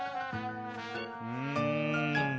うん。